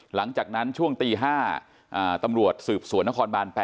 หลังจากนั้นช่วงตี๕ตำรวจสืบสวนนครบาน๘